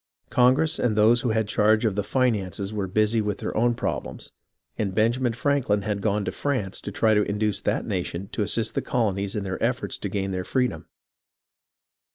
Congress and those who had charge of the finances were busy with their own problems, and Benjamin Frank lin had gone to France to try to induce that nation to assist the colonies in their efforts to gain their freedom.